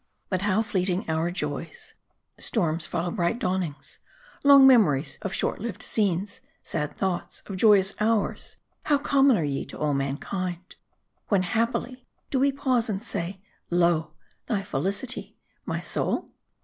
But how fleeting our joys. Stprms follow bright dawn ings. Long memories of short lived scenes, sad thoughts of joyous hours how common are ye to all mankind. When happy, do we pause and say "Lo, thy felicity, my soul?"